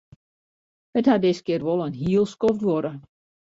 It hat diskear wol in hiel skoft duorre.